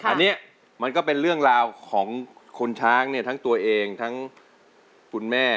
อันนี้มันก็เป็นเรื่องราวของคุณช้างเนี่ยทั้งตัวเองทั้งคุณแม่